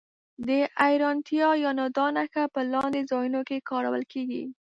د حېرانتیا یا ندا نښه په لاندې ځایونو کې کارول کیږي.